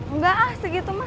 enggak ah segitu mah